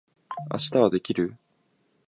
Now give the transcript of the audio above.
明日はできる？